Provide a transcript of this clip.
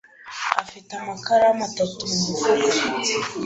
afite amakaramu atatu mu mufuka.